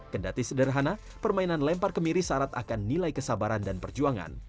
kendati sederhana permainan lempar kemiri syarat akan nilai kesabaran dan perjuangan